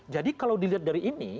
jadi kalau dilihat dari ini